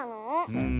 うん。